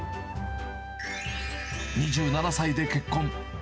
２７歳で結婚。